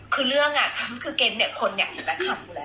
คือเรื่องอ่ะคือเกมเนี่ยคนเนี่ย